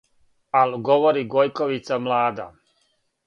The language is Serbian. Ал' говори Гојковица млада: